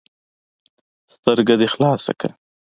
ـ سترګه دې خلاصه که.